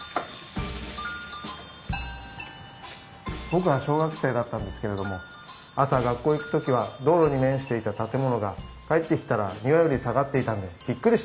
僕は小学生だったんですけれども朝学校行く時は道路に面していた建物が帰ってきたら庭より下がっていたんでびっくりしたんですよ。